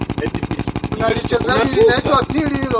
wanawake wanaweza kuwa na dalili mbalimbali za kisukari